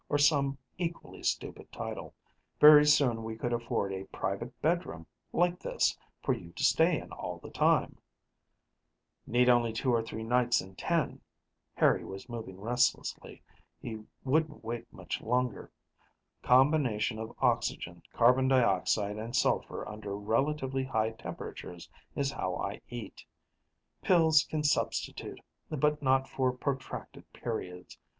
or some equally stupid title. Very soon we could afford a private bedroom, like this, for you to stay in all the time " "Need only two or three nights in ten." Harry was moving restlessly. He wouldn't wait much longer. "Combination of oxygen, carbon dioxide, and sulfur under relatively high temperature is how I eat. Pills can substitute, but not for protracted periods.